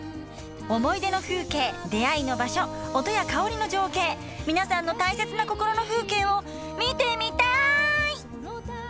思い出の風景、出会いの場所音や香りの情景皆さんの大切な心の風景を見てみたい！